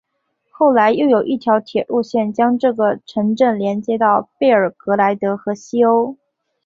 后来又有一条铁路线将这个城镇连接到贝尔格莱德和西欧。